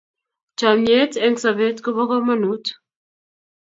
chomyet eng sopet kopo komonut